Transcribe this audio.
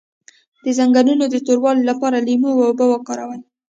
د زنګونونو د توروالي لپاره لیمو او بوره وکاروئ